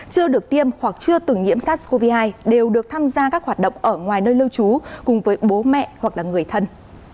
chưa được tiêm hoặc chưa từng nhiễm sars cov hai đều được tham gia các hoạt động ở ngoài nơi lưu trú cùng với bố mẹ hoặc là người thân